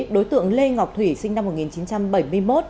đối tượng lê ngọc thủy sinh năm một nghìn chín trăm bảy mươi một